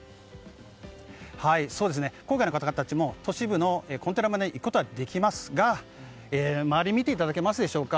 郊外の方たちも都市部のコンテナ村に行くことはできますが周りを見ていただけますでしょうか。